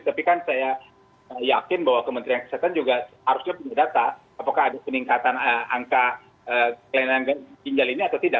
tapi kan saya yakin bahwa kementerian kesehatan juga harusnya punya data apakah ada peningkatan angka kelainan ginjal ini atau tidak